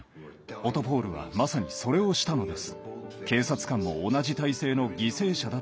オトポール！はまさにそれをしたのです。